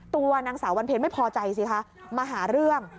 ตัวนางสาววันเพลงไม่พอใจสิคะมาหาเรื่อง